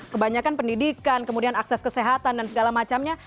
kebanyakan pendidikan kemudian akses kesehatan dan segala macamnya